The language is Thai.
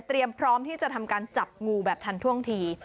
พร้อมที่จะทำการจับงูแบบทันท่วงที